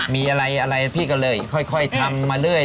มีอะไรพี่ก็เลยค่อยทำมาเรื่อย